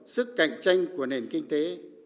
sức cạnh tranh của nền kinh tế